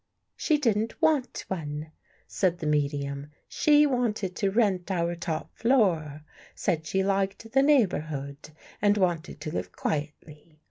"" She didn't want one," said the medium. " She wanted to rent our top floor. Said she liked the neighborhood and wanted to live quietly.